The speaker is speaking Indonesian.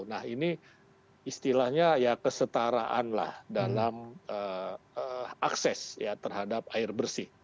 nah ini istilahnya ya kesetaraan lah dalam akses ya terhadap air bersih